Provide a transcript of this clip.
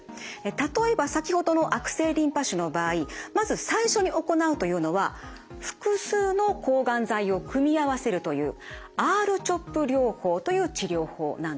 例えば先ほどの悪性リンパ腫の場合まず最初に行うというのは複数の抗がん剤を組み合わせるというＲ−ＣＨＯＰ療法という治療法なんです。